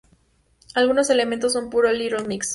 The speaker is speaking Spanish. Algunos elementos son puro Little Mix.